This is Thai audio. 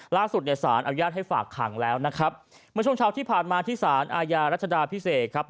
ล่าสุดเนี่ยสารอนุญาตให้ฝากขังแล้วนะครับเมื่อช่วงเช้าที่ผ่านมาที่สารอาญารัชดาพิเศษครับ